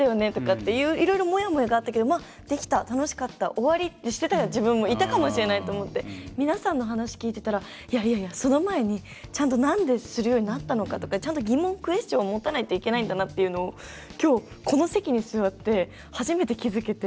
っていろいろ、もやもやがあったけどできた、楽しかった、終わりってしてた自分もいたかもしれないと思って、皆さんの話を聞いてたらその前に、ちゃんとなんでするようになったのかとかちゃんと疑問、クエスチョンを持たないといけないんだなっていうのを、きょうこの席に座って初めて気付けて。